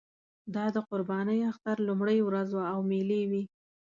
دا د قربانۍ اختر لومړۍ ورځ وه او مېلې وې.